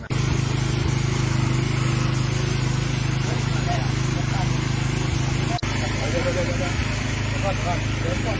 บริษัท